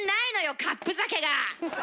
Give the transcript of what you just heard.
カップ酒が！